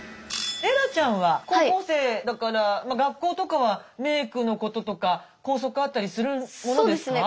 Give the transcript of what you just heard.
レイラちゃんは高校生だから学校とかはメークのこととか校則あったりするものですか？